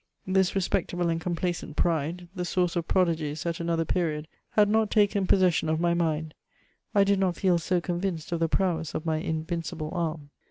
This respectable and complacent pride, the source of prodigies at another period, had not taken possession of my nund ; I did not feel so con vinced of the prowess of my invincible arm.